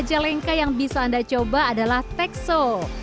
sebuah jajalengka yang bisa anda coba adalah tekso